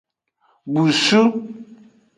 Busu.